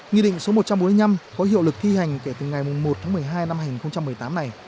nghị định số một trăm bốn mươi năm có hiệu lực thi hành kể từ ngày một tháng một mươi hai năm hai nghìn một mươi tám này